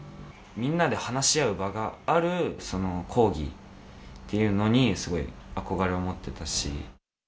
みんなで話し合う場がある講義というのにすごい憧れを持ってたし。